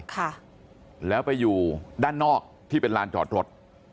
ค่ะแล้วไปอยู่ด้านนอกที่เป็นลานจอดรถ